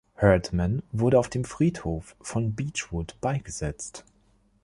Hurdman wurde auf dem Friedhof von Beechwood beigesetzt.